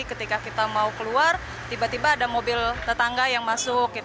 ketika kita mau keluar tiba tiba ada mobil tetangga yang masuk